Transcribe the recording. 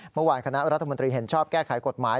คณะรัฐมนตรีเห็นชอบแก้ไขกฎหมาย